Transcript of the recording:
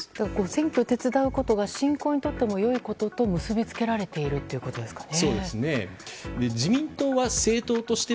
選挙を手伝うことが信仰にとっても良いことと結び付けられているということですかね。